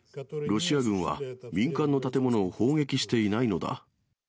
ロシア軍は民間の建物を砲撃していないのだ。